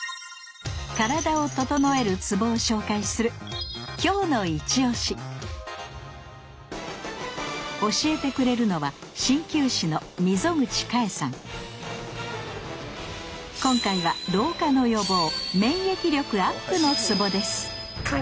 カラダをととのえるツボを紹介する教えてくれるのは今回は老化の予防免疫力アップのツボです